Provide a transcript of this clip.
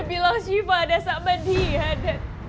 dia bilang siva ada sama dia dan